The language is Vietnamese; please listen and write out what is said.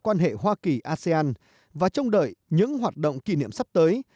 quan hệ hoa kỳ asean và trông đợi những hoạt động kỷ niệm sắp tới